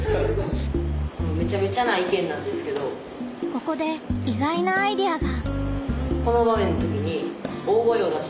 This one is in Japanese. ここで意外なアイデアが！